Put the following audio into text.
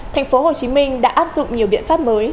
thành phố hồ chí minh đã áp dụng nhiều biện pháp mới